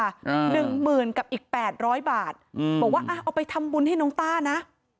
หนึ่งหมื่นกับอีกแปดร้อยบาทอืมบอกว่าอ่าเอาไปทำบุญให้น้องต้านะ